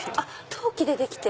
陶器でできて。